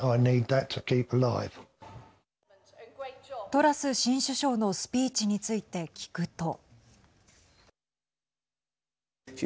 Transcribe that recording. トラス新首相のスピーチについて聞くと。